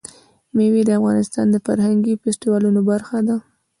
مېوې د افغانستان د فرهنګي فستیوالونو برخه ده.